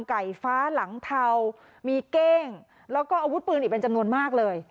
ไก่ฟ้าหลังเทามีเก้งแล้วก็อาวุธปืนอีกเป็นจำนวนมากเลย